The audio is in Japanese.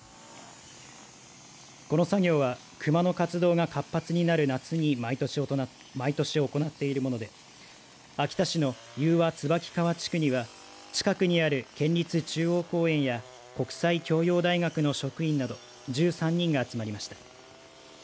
この作業はクマの活動が活発になる夏に毎年、行っているもので秋田市の雄和椿川地区には近くにある県立中央公園や国際教養大学の職員など１３人が集まりました。